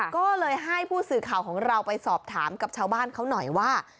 ก็เลยให้ผู้สื่อข่าวของเราไปสอบถามกับชาวบ้านเขาหน่อยว่า